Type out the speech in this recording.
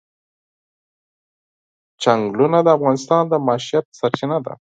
چنګلونه د افغانانو د معیشت سرچینه ده.